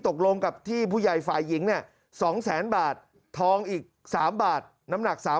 ตกลงกับที่ผู้ใหญ่ฝ่ายหญิงเนี่ย๒๐๐๐๐๐บาททองอีก๓บาทน้ำ